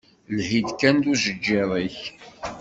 Lhi-d, kan d ujeǧǧiḍ-ik!